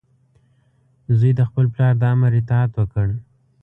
زوی د خپل پلار د امر اطاعت وکړ.